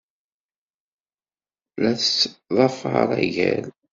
La tettḍafar agal.